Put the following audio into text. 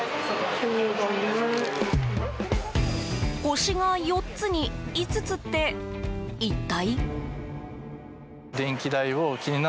星が４つに５つって、一体？